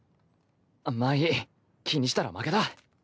まあいい気にしたら負けだ。